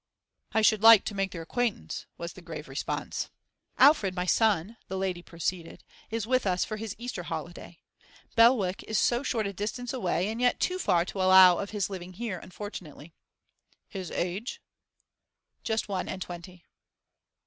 'I should like to make their acquaintance,' was the grave response. 'Alfred, my son,' the lady proceeded, 'is with us for his Easter holiday. Belwick is so short a distance away, and yet too far to allow of his living here, unfortunately.' 'His age?' 'Just one and twenty.